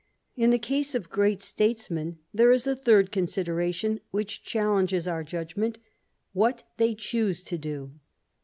In the case of great statesmen there is a third consideration which challenges our judgment — what they choose to do.